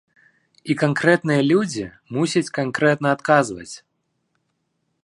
І канкрэтныя людзі мусяць канкрэтна адказваць.